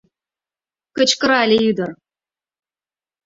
— Кычкырале ӱдыр.